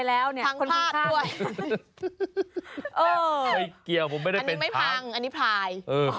ไม่เกี่ยวผมไม่ได้เป็นพังนี่พลาย